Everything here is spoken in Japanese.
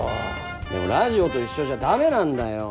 でもラジオと一緒じゃ駄目なんだよ！